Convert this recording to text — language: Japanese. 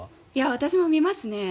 私も見ますね。